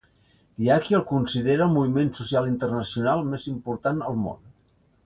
Hi ha qui el considera el moviment social internacional més important al món.